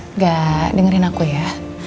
enggak dengerin aku ya